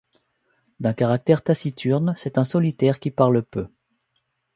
D'un caractère taciturne, c'est un solitaire qui parle peu.